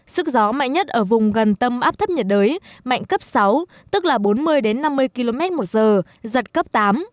sức gió mạnh nhất ở vùng gần tâm áp thấp nhiệt đới mạnh cấp sáu tức là bốn mươi năm mươi km một giờ giật cấp tám